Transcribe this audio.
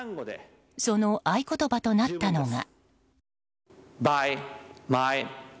その合言葉となったのが。